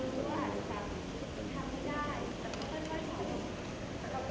สวัสดีครับสวัสดีครับ